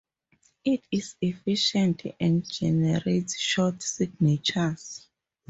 It is efficient and generates short signatures.